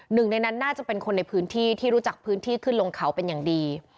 หนึ่งในนั้นน่าจะเป็นคนในพื้นที่ที่รู้จักพื้นที่ขึ้นลงเขาเป็นอย่างดี